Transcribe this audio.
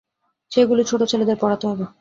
সেইগুলি ছোট ছেলেদের পড়াতে হবে।